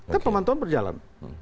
kan pemantauan berjalan